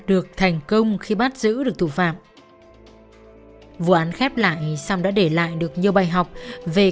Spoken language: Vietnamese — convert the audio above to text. được thành công khi bắt giữ được thủ phạm vụ án khép lại xong đã để lại được nhiều bài học về